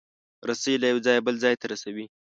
رسۍ له یو ځایه بل ځای ته رسوي.